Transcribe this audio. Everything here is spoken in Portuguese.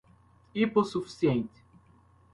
hipossuficiente